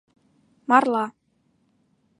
— Марла...